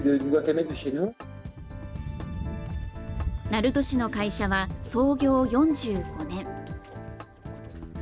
鳴門市の会社は、創業４５年。